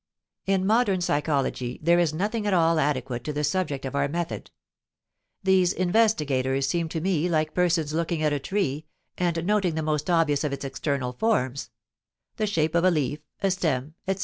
In modern psychology there is nothing at all adequate to the subject of our method. These investigators seem to me like persons looking at a tree, and noting the most obvious of its external forms: the shape of a leaf, a stem, etc.